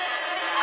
あ！